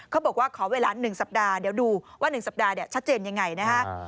เขาบอกว่าขอเวลาหนึ่งสัปดาห์เดี๋ยวดูว่าหนึ่งสัปดาห์ชัดเจนยังไงนะครับ